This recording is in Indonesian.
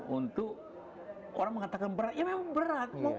untuk orang mengatakan berat ya memang berat